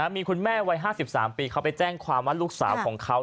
มีคุณแม่วัย๕๓ปีเขาไปแจ้งความว่าลูกสาวของเขา